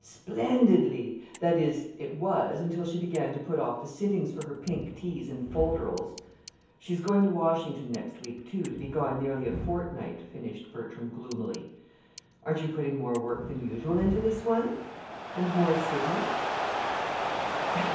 "Splendidly! that is, it was, until she began to put off the sittings for her pink teas and folderols. She's going to Washington next week, too, to be gone nearly a fortnight," finished Bertram, gloomily. "Aren't you putting more work than usual into this one and more sittings?"